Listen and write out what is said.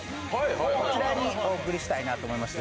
こちらにお贈りしたいなと思いまして。